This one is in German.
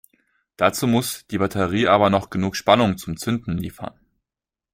Dazu muss die Batterie aber noch genug Spannung zum Zünden liefern.